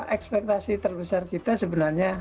ekspektasi terbesar kita sebenarnya